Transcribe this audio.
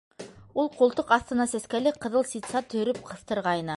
Ул ҡултыҡ аҫтына сәскәле ҡыҙыл ситса төрөп ҡыҫтырғайны.